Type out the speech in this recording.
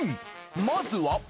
まずは。